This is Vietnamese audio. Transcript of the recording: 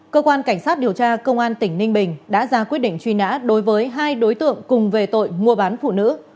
cơ quan cảnh sát điều tra công an tỉnh ninh bình đã ra quyết định truy nã đối với hai đối tượng cùng về tội mua bán phụ nữ